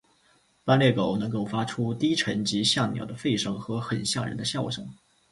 斑鬣狗能够发出低沉及像鸟的吠声和很像人的笑声。